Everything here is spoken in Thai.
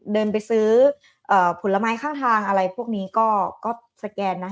เดินไปซื้อผลไม้ข้างทางอะไรพวกนี้ก็สแกนนะ